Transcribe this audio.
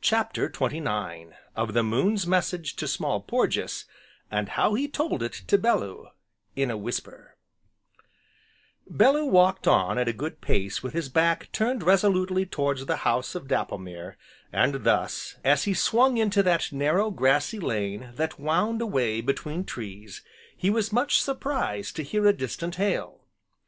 CHAPTER XXIX Of the moon's message to Small Porges, and how he told it to Bellew in a whisper Bellew walked on at a good pace with his back turned resolutely towards the House of Dapplemere, and thus, as he swung into that narrow, grassy lane that wound away between trees, he was much surprised to hear a distant hail.